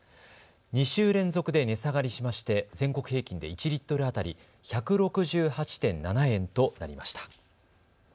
２週連続で値下がりしまして全国平均で１リットル当たり１６８．７円となりました。